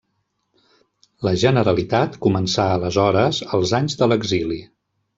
La Generalitat començà aleshores els anys de l'exili.